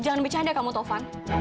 jangan bercanda kamu taufan